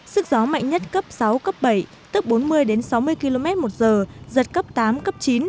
sức gió mạnh nhất cấp sáu cấp bảy tức bốn mươi đến sáu mươi km một giờ giật cấp tám cấp chín